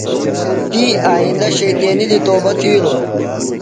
تی آیئندہ شیطینیۡ دی توبہ تِھیلوۡ۔